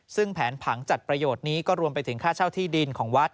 ซึ่งแผนผังจัดประโยชน์นี้ก็รวมไปถึงค่าเช่าที่ดินของวัด